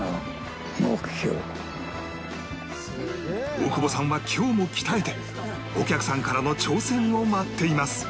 大久保さんは今日も鍛えてお客さんからの挑戦を待っています